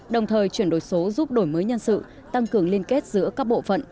đồng thời chuyển đổi số giúp đổi mới nhân sự tăng cường liên kết giữa các bộ phận